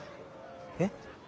えっ？